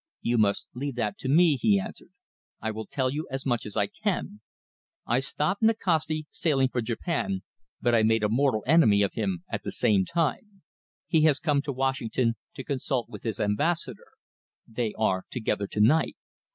"You must leave that to me," he answered. "I will tell you as much as I can. I stopped Nikasti sailing for Japan, but I made a mortal enemy of him at the same time. He has come to Washington to consult with his Ambassador. They are together tonight.